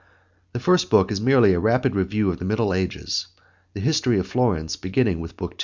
The first book is merely a rapid review of the Middle Ages, the history of Florence beginning with Book II.